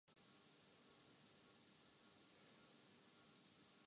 حالات کا جبر دیکھیے۔